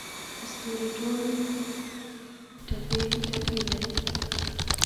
ستوري ټول ټپې، ټپي دی